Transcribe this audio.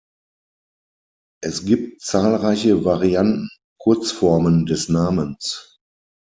Es gibt zahlreiche Varianten und Kurzformen des Namens.